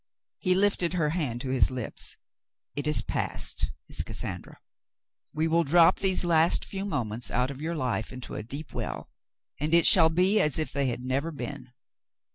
He lifted her hand to his lips. *'It is past, Miss Cas sandra. We will drop these few moments out of your life into a deep well, and it shall be as if they had never been."